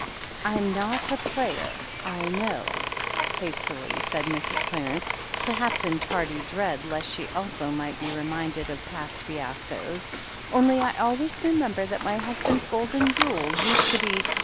"I'm not a player, I know," hastily said Mrs. Clar ence, perhaps in tardy dread lest she also might be re minded of past fiascos. "Only I always remember that my husband's golden rule used to be.